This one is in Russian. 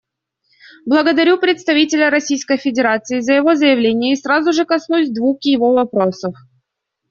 Благодарю представителя Российской Федерации за его заявление и сразу же коснусь двух его вопросов.